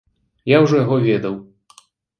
Я ўжо яго ведаў!